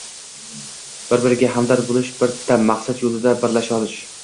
bir-biriga hamdard bo‘lish, bitta maqsad yo‘lida birlasha olish